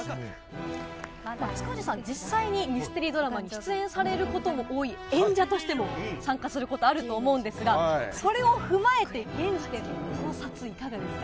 塚地さん、実際にミステリードラマに出演されることも多い演者としても参加することあると思うんですが、それを踏まえて、現時点での考察、いかがですか。